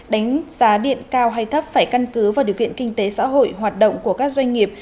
đánh giá điện cao hay thấp phải căn cứ vào điều kiện kinh tế xã hội hoạt động của các doanh nghiệp